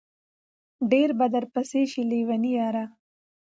ډېر به درپسې شي لېوني ياره